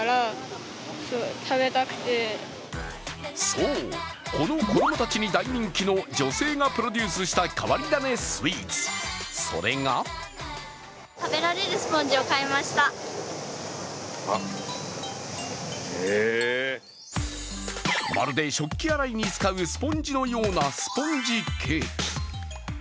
そう、この子供たちに大人気の女性がプロデュースした変わり種スイーツ、それがまるで食器洗いに使うスポンジのようなスポンジケーキ。